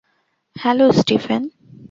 Hello, Stephen.